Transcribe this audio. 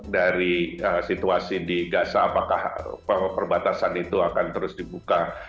dari situasi di gaza apakah perbatasan itu akan terus dibuka